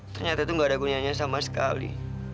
ternyata tuh gak ada gunanya sama sekali